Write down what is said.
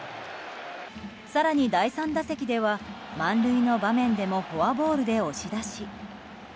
更に第３打席では満塁の場面でもフォアボールで押し出し。